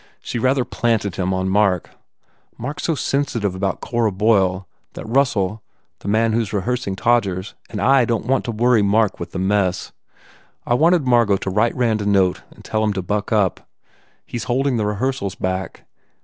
She rather planted him on Mark. Mark s so sen sitive about Cora Boyle that Russell the man who s rehearsing Todgers and I don t want to worry Mark with the mess. I wanted Margot to write Rand a note and tell him to buck up. He s holding the rehearsals back.